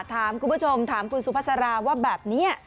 ถามคุณผู้ชมถามคุณสุภาษาราว่าแบบนี้